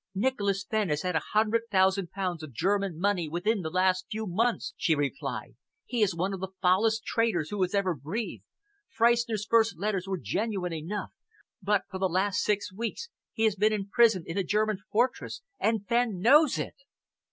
"Nicholas Fenn has had a hundred thousand pounds of German money within the last few months," she replied. "He is one of the foulest traitors who ever breathed. Freistner's first few letters were genuine enough, but for the last six weeks he has been imprisoned in a German fortress and Fenn knows it."